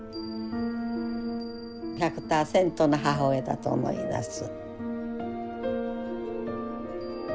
１００％の母親だと思います。